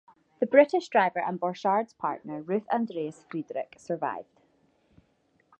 The British driver and Borchard's partner Ruth Andreas-Friedrich survived.